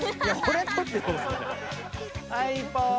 はいポーズ！